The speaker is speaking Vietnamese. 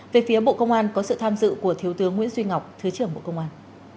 về phía bộ công an có sự tham dự của thiếu tướng nguyễn duy ngọc thứ trưởng bộ công an